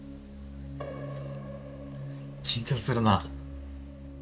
緊張するなあ。